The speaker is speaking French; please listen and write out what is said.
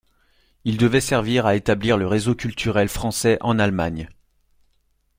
Il devait servir à établir le réseau culturel français en Allemagne.